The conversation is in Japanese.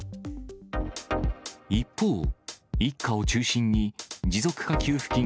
一方、一家を中心に持続化給付金